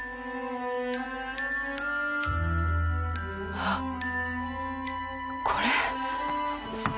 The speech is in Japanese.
あっこれ。